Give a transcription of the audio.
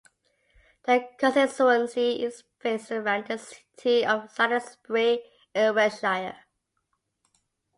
The constituency is based around the city of Salisbury in Wiltshire.